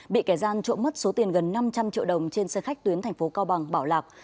bị kẻ gian trộm mất số tiền gần năm trăm linh triệu đồng trên xe khách tuyến thành phố cao bằng bảo lạc